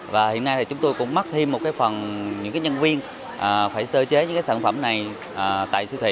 và hiện nay thì chúng tôi cũng mất thêm một phần những nhân viên phải sơ chế những sản phẩm này tại siêu thị